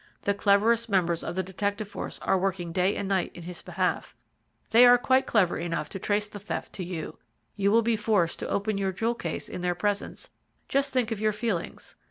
The cleverest members of the detective force are working day and night in his behalf. They are quite clever enough to trace the theft to you. You will be forced to open your jewel case in their presence just think of your feelings.